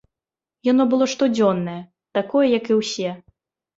Яно было штодзённае, такое, як і ўсе.